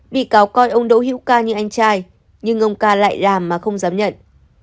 bị cáo coi ông đỗ hữu ca như anh trai nhưng ông ca lại làm mà không dám nhận